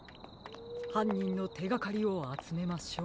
はんにんのてがかりをあつめましょう。